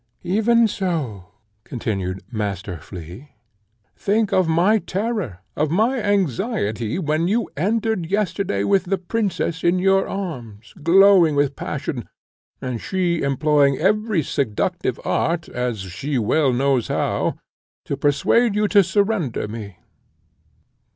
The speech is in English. "Even so;" continued Master Flea: "think of my terror, of my anxiety, when you entered yesterday with the princess in your arms, glowing with passion, and she employing every seductive art as she well knows how to persuade you to surrender me.